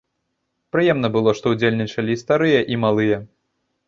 Прыемна было, што ўдзельнічалі і старыя, і малыя.